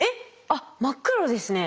あっ真っ黒ですね。